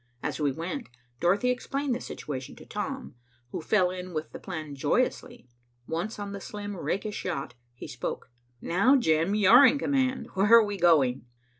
As we went, Dorothy explained the situation to Tom, who fell in with the plan joyously. Once on the slim rakish yacht, he spoke. "Now, Jim, you're in command. Where are we going?"